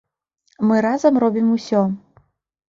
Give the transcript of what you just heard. Мы разам робім усё!